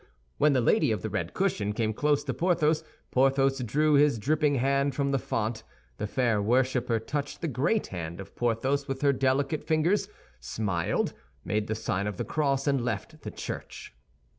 When the lady of the red cushion came close to Porthos, Porthos drew his dripping hand from the font. The fair worshipper touched the great hand of Porthos with her delicate fingers, smiled, made the sign of the cross, and left the church.